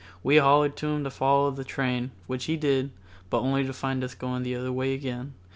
We hollered to him to follow the train, which he did, but only to find us going the other way again.